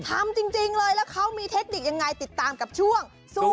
ทำจริงเลยแล้วเขามีเทคนิคยังไงติดตามกับช่วงสู้